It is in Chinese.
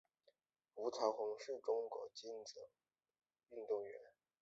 虞朝鸿是中国竞走运动员。